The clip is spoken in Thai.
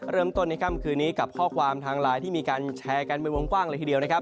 เริ่มต้นในค่ำคืนนี้กับข้อความทางไลน์ที่มีการแชร์กันเป็นวงกว้างเลยทีเดียวนะครับ